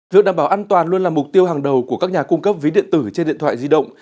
việc đảm bảo an toàn luôn là mục tiêu hàng đầu của các nhà cung cấp ví điện tử trên điện thoại di động